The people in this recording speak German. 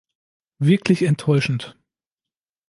Wirklich enttäuschend.